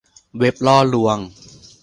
เว็บล่อลวง